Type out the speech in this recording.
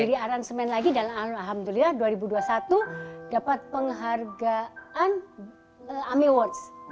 jadi aransemen lagi dan alhamdulillah dua ribu dua puluh satu dapat penghargaan ami awards